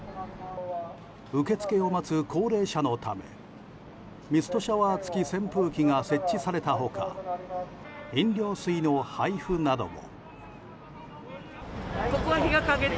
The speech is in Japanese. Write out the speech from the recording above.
受け付けを待つ高齢者のためミストシャワー付き扇風機が設置されたほか飲料水の配布なども。